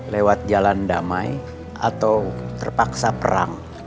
lewat jalan damai atau terpaksa perang